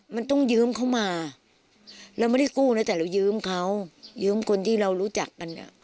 มันต้องยืมเขามาเราไม่ได้กู้นะแต่เรายืมเขายืมคนที่เรารู้จักกัน